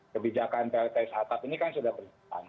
kebijakan plts atap ini kan sudah berjalan